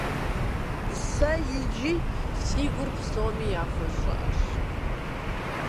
Сэ иджы си гур псоми яхуэщӀыӀэщ…